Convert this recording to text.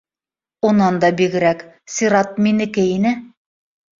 Унан да бигерәк, сират минеке ине